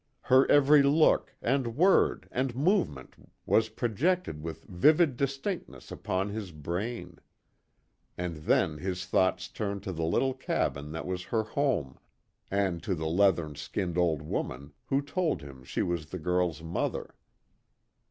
Her every look, and word and movement was projected with vivid distinctness upon his brain. And then his thoughts turned to the little cabin that was her home, and to the leathern skinned old woman who told him she was the girl's mother.